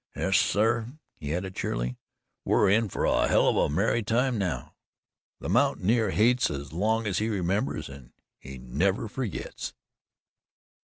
"Yes, sir," he added cheerily, "we're in for a hell of a merry time NOW. The mountaineer hates as long as he remembers and he never forgets."